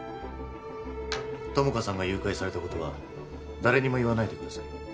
友果さんが誘拐されたことは誰にも言わないでください